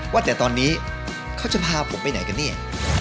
ว่าแต่ตอนนี้เขาจะพาผมไปไหนกันเนี่ย